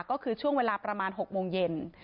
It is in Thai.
ก็คือช่วงเวลาประมาณ๖โมงเย็น